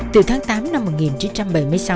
từ tháng tám năm một nghìn chín trăm bảy mươi sáu